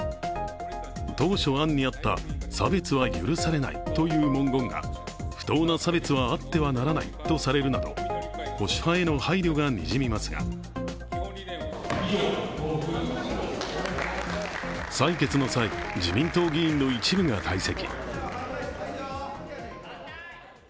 当初案にあった、差別は許されないという文言が不当な差別はあってはならないとされるなど保守派への配慮がにじみますが採決の際、自民党議員の一部が退席。